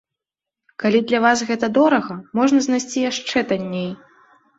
Калі для вас гэта дорага, можна знайсці яшчэ танней!